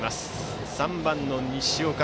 ３番の西岡。